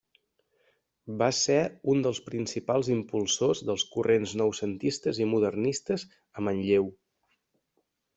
Va ser un dels principals impulsors dels corrents noucentistes i modernistes a Manlleu.